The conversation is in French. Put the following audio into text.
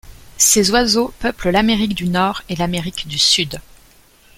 Ces oiseaux peuplent l'Amérique du Nord et l'Amérique du Sud.